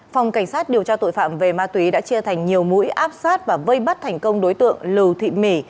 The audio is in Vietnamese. phòng cảnh sát điều tra tội phạm về ma túy đã chia thành nhiều mũi áp sát và vây bắt thành công đối tượng lưu thị mỹ